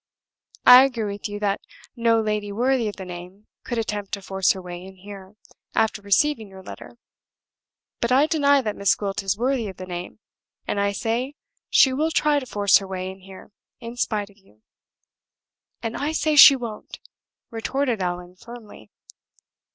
I agree with you that no lady worthy of the name could attempt to force her way in here, after receiving your letter. But I deny that Miss Gwilt is worthy of the name; and I say she will try to force her way in here in spite of you." "And I say she won't!" retorted Allan, firmly.